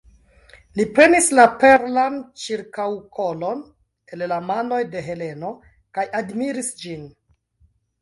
Li prenis la perlan ĉirkaŭkolon el la manoj de Heleno kaj admiris ĝin.